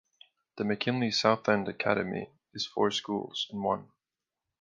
The McKinley South End Academy is four schools in one.